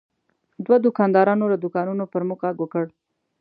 دوه دوکاندارانو له دوکانونو پر موږ غږ وکړ.